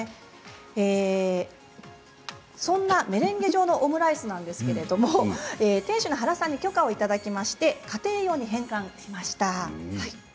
そんなメレンゲ状のオムライスなんですけれど店主の原さんに許可をいただいて家庭用に変換しました。